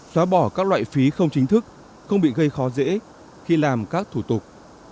xóa bỏ các loại phí không chính thức không bị gây khó dễ khi làm các thủ tục